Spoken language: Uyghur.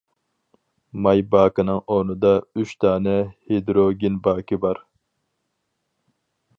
ماي باكىنىڭ ئورنىدا ئۈچ دانە ھىدروگېن باكى بار.